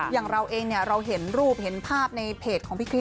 อย่างเราเองเราเห็นรูปเห็นภาพในเพจของพี่คริส